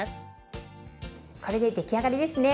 これで出来上がりですね。